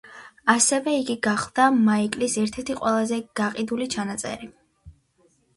ასევე იგი გახდა მაიკლის ერთ-ერთი ყველაზე გაყიდული ჩანაწერი.